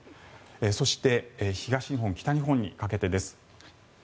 そして東日本、北日本にかけてです。